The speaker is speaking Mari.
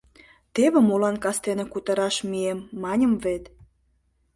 Теве молан кастене кутыраш мием, маньым вет.